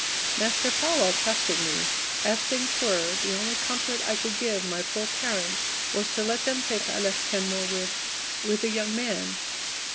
"Master Farwell trusted me. As things were, the only comfort I could give my poor parents was to let them think I left Kenmore with with a young man.